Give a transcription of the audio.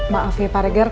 maaf ya pak regar